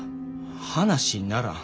話にならん。